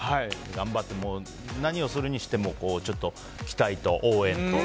何をするにしても期待と応援と。